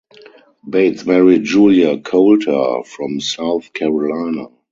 Bates married Julia Coalter from South Carolina.